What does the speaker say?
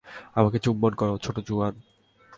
আমাকে চুম্বন করো, ছোট্ট জুয়ান।